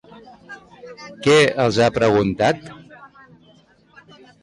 Què els ha preguntat?